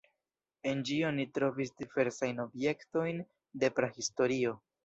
En ĝi oni trovis diversajn objektojn de prahistorio.